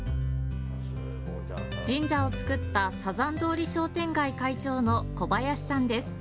神社をつくったサザン通り商店街会長の小林さんです。